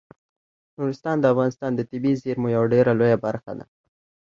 نورستان د افغانستان د طبیعي زیرمو یوه ډیره لویه برخه ده.